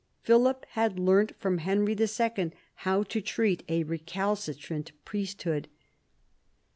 Philip had learnt from Henry II. how to treat a recalcitrant priesthood.